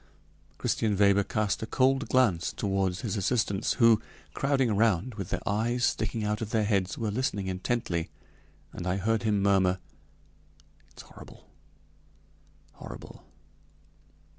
Christian Weber cast a cold glance toward his assistants, who, crowding around, with their eyes sticking out of their heads, were listening intently, and I heard him murmur: "It's horrible! horrible!"